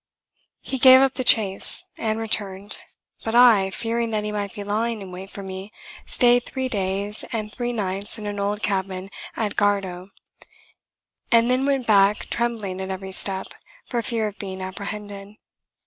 ] He gave up the chase, and returned: but I, fearing that he might be lying in wait for me, stayed three days and three nights in an old cabin at Gardow, and then went back trembling at every step for fear of being apprehended.